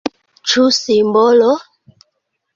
Ĉu simbolo?